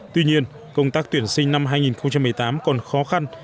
tuy nhiên công tác tuyển sinh năm hai nghìn một mươi tám còn khó khăn